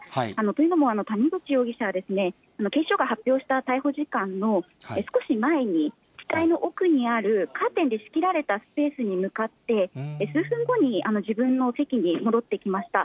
というのも、谷口容疑者は警視庁が発表した逮捕時間の少し前に、機体の奥にあるカーテンで仕切られたスペースに向かって、数分後に自分の席に戻ってきました。